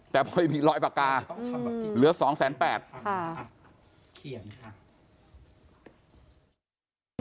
แต่มีลอยปากกาเหลือ๒แสน๘